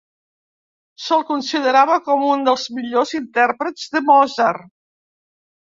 Se'l considerava com un dels millors intèrprets de Mozart.